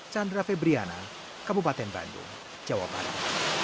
chandra febriana kabupaten bandung jawa barat